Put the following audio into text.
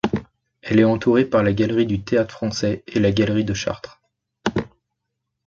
Elle est entourée par la galerie du Théâtre-Français et la galerie de Chartres.